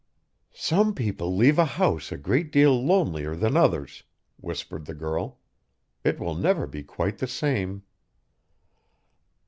"Some people leave a house a great deal lonelier than others," whispered the girl; "it will never be quite the same."